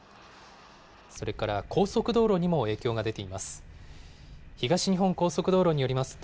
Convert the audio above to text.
それから高速道路にも影響が出ています。